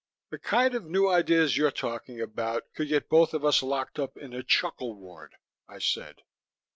"The kind of new ideas you're talking about could get both of us locked up in the chuckle ward," I said.